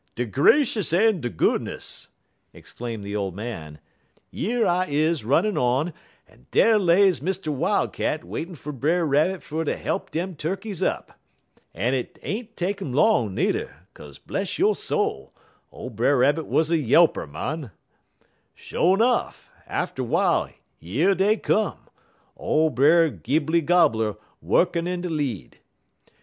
"De gracious en de goodness!" exclaimed the old man. "Yer I is runnin' on en dar lays Mr. Wildcat waitin' fer Brer Rabbit fer ter help dem turkeys up. En 't ain't take 'im long nudder, 'kaze, bless yo' soul, ole Brer Rabbit wuz a yelper, mon. "Sho' 'nuff, atter w'ile yer dey come, ole Brer Gibley Gobbler wukkin' in de lead.